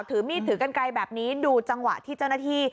ถือมีดถือกันไกลแบบนี้ดูจังหวะที่เจ้าหน้าที่